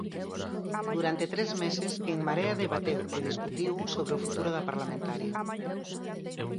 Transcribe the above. Durante tres meses, En Marea debateu e discutiu sobre o futuro da parlamentaria.